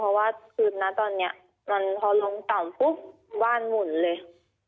เพราะว่าคือณตอนนี้มันพอลงต่ำปุ๊บบ้านหมุนเลย